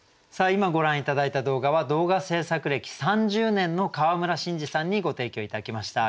今ご覧頂いた動画は動画制作歴３０年の川村伸司さんにご提供頂きました。